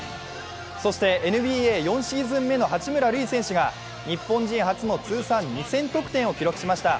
ＮＢＡ４シーズン目の八村塁選手が日本人初の通算２０００得点を記録しました。